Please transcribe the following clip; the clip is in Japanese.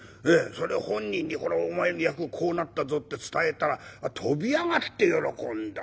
それ本人にお前の役こうなったぞって伝えたら跳び上がって喜んだ。